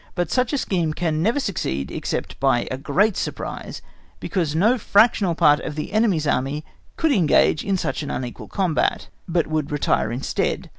But such a scheme can never succeed except by a great surprise, because no fractional part of the enemy's Army would engage in such an unequal combat, but would retire instead.